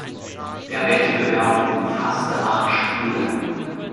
Der Wettbewerb umfasste acht Spiele.